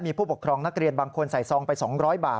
มีผู้ปกครองนักเรียนบางคนใส่ซองไป๒๐๐บาท